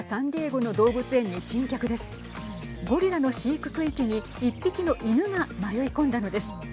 ゴリラの飼育区域に１匹の犬が迷い込んだのです。